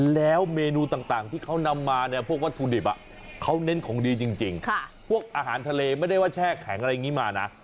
แล้วเมนูต่างที่เขานำมาเนี่ยพวกวัตถุดิบเขาเน้นของดีจริงพวกอาหารทะเลไม่ได้ว่าแช่แข็งอะไรอย่างนี้มานะ